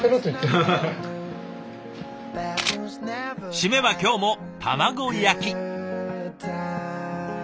締めは今日も卵焼き。